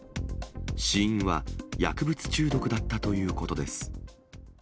死因は、薬物中毒だったということです。